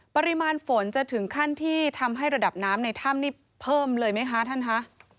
ปริมาณฝนจะถึงขั้นที่ทำให้ระดับน้ำในถ้ำนี่เพิ่มเลยไหมคะท่านคะ